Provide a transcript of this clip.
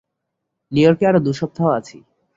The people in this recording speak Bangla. নিউ ইয়র্কে আরও দুই সপ্তাহ আছি।